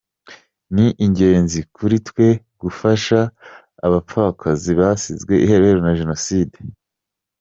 Ni ingenzi kuri twe gufasha abapfakazi basizwe iheruheru na Jenoside.